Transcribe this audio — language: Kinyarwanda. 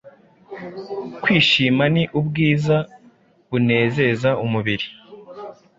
Kwishima ni Ubwiza bunezeza umubiri